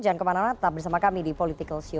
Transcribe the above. jangan kemana mana tetap bersama kami di politikalshow